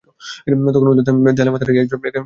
তখন উদয়াদিত্য দেয়ালে মাথা রাখিয়া একমনে কী ভাবিতেছিলেন।